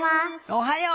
おはよう！